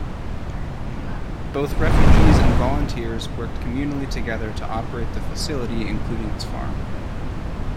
Both refugees and volunteers worked communally together to operate the facility, including its farm.